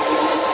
ya gue seneng